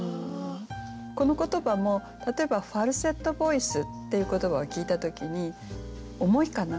この言葉も例えば「ファルセットボイス」っていう言葉を聞いた時に重いかな？